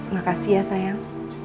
makasih ya sayang